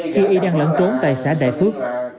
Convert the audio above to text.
khi ý đang lẫn trốn tại xã đại phước